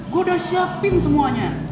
gua udah siapin semuanya